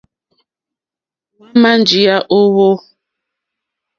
Hwámà njíyá ó hwò.